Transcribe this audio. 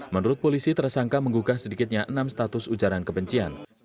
menurut polisi tersangka menggugah sedikitnya enam status ujaran kebencian